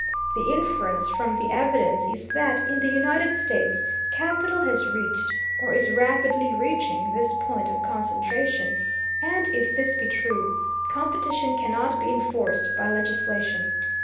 The inference from the evidence is that, in the United States, capital has reached, or is rapidly reaching, this point of concentration; and if this be true, competition cannot be enforced by legislation.